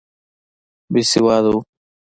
بېسواده وو.